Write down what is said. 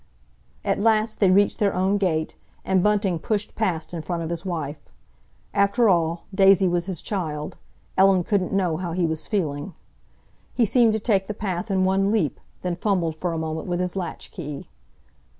At last they reached their own gate, and Bunting pushed past in front of his wife. After all, Daisy was his child; Ellen couldn't know how he was feeling. He seemed to take the path in one leap, then fumbled for a moment with his latchkey.